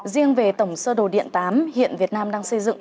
riêng về tổng sơ đồ điện tám hiện việt nam đang xây dựng